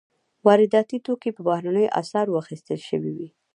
وارداتي توکي په بهرنیو اسعارو اخیستل شوي وي.